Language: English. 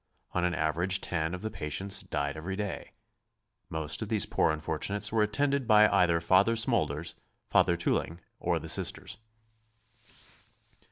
On an average ten of the patients died every day. Most of these poor unfortunates were attended by either Father Smoulders, Father Tuling or the Sisters.